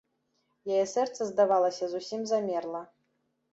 Яе сэрца, здавалася, зусім замерла.